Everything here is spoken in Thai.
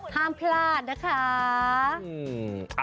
ห้ามพลาดนะคะ